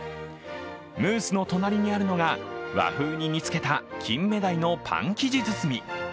ムースの隣にあるのが和風に煮付けたキンメダイのパン生地包み。